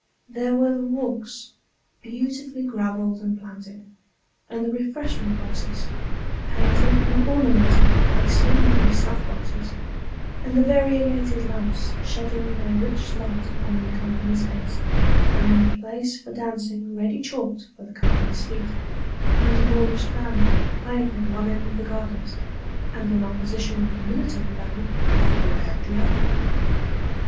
There were the walks, beautifully gravelled and planted and the refreshment boxes, painted and ornamented like so many snuff boxes and the variegated lamps shedding their rich light upon the company's heads and the place for dancing ready chalked for the company's feet and a Moorish band playing at one end of the gardens and an opposition military band playing away at the other.